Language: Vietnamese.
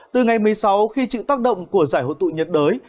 từ ngày một mươi sáu khi chịu tác động của giải hội tụ nhiệt đới